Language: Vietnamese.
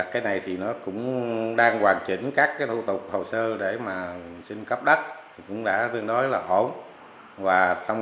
cái này cũng đang hoàn chỉnh các thủ tục hồ sơ để sinh cấp đất cũng đã tương đối là ổn